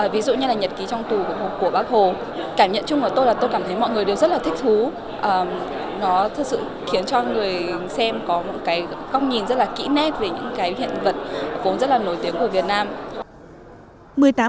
thích thú nó thực sự khiến cho người xem có một cái góc nhìn rất là kỹ nét về những cái hiện vật vốn rất là nổi tiếng của việt nam